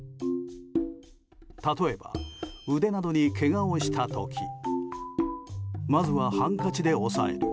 例えば、腕などにけがをした時まずはハンカチで押さえる。